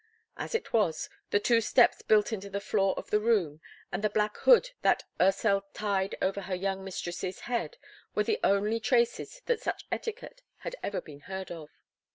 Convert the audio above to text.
As it was, the two steps built into the floor of the room, and the black hood that Ursel tied over her young mistress's head, were the only traces that such etiquette had ever been heard of.